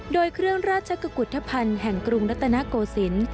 โดยเครื่องราชกุฏธภัณฑ์แห่งกรุงรัตนโกศิลป์